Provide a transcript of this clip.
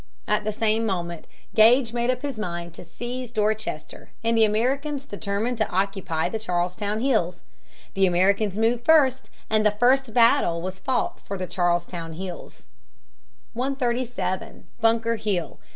At almost the same moment Gage made up his mind to seize Dorchester, and the Americans determined to occupy the Charlestown hills. The Americans moved first, and the first battle was fought for the Charlestown hills. [Illustration: A POWDER HORN USED AT BUNKER HILL.